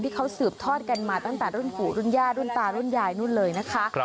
ที่เขาสืบทอดกันมาตั้งแต่รุ่นปู่รุ่นย่ารุ่นตารุ่นยายนู่นเลยนะคะ